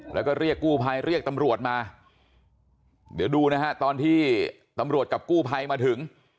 แล้วก็เรียกกู้ภัยเรียกตำรวจมาเดี๋ยวดูนะฮะตอนที่ตำรวจกับกู้ภัยมาถึง